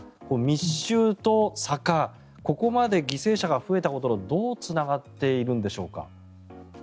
ここまで犠牲者が増えたこととどうつながっているんでしょうか。